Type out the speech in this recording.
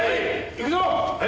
行くぞ！